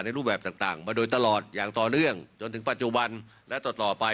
รูปแบบต่างมาโดยตลอดอย่างต่อเนื่องจนถึงปัจจุบันและต่อต่อไป